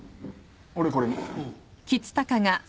俺これに。